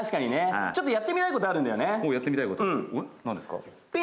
ちょっとやってみたいことあるんだよね。